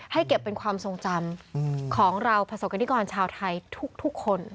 เก็บเป็นความทรงจำของเราประสบกรณิกรชาวไทยทุกคน